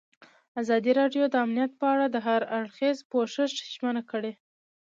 ازادي راډیو د امنیت په اړه د هر اړخیز پوښښ ژمنه کړې.